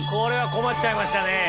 困っちゃいましたね。